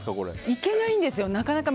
行けないんですよ、なかなか。